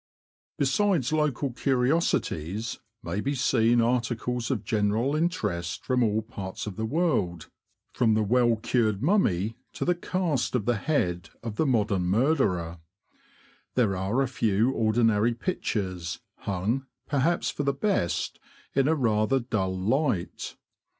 Besides local curiosities, may be seen articles of general interest from all parts of the world, from the well cured mummy to the cast of the head of the modern murderer. There are a few very ordinary pictures, hung, perhaps for the best, in a rather dull light.